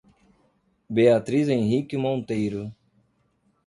Beatriz Henrique Monteiro